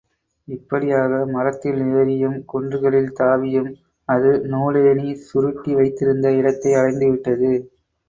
இப்படியாக மரத்தில் ஏறியும், குன்றுகளில் தாவியும், அது நூலேணி சுருட்டி வைத்திருந்த இடத்தை அடைந்துவிட்டது.